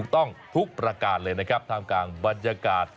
ต้องทุกประการเลยนะครับท่ามกลางบรรยากาศ